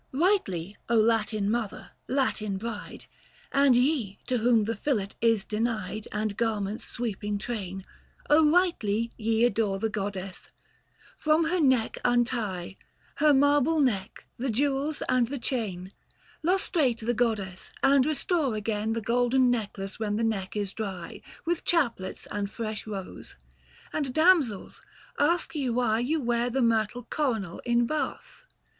Rightly, Latin mother, Latin bride, And ye, to whom the fillet is denied And garments' sweeping train ; rightly ye Adore the goddess. From her neck untie, Her marble neck, the jewels and the chain. 150 Lustrate the goddess, and restore again The golden necklace when the neck is dry, With chaplets and fresh rose. And damsels, ask ye why You wear the myrtle coronal in bath.